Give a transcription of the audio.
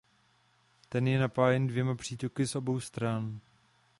Ten je napájen dvěma přítoky z obou stran.